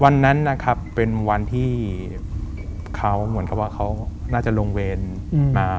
วันนั้นนะครับเป็นวันที่เขาเหมือนกับว่าเขาน่าจะลงเวรมา